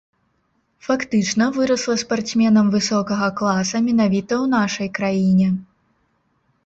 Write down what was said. Фактычна вырасла спартсменам высокага класа менавіта ў нашай краіне.